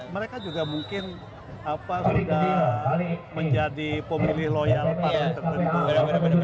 mereka juga mungkin apa sudah menjadi pemilih loyal